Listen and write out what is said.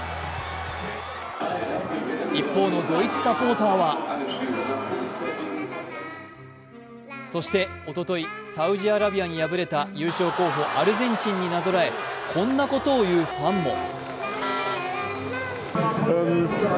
一方のドイツサポーターはそしておととい、サウジアラビアに敗れた優勝候補・アルゼンチンになぞらえこんなことを言うファンも。